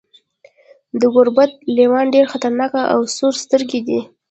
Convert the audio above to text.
د ګوربت لیوان ډیر خطرناک او سورسترګي دي.